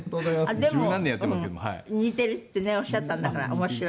でも似てるってねおっしゃったんだから面白い。